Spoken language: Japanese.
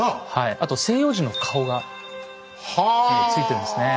あと西洋人の顔がついてるんですね。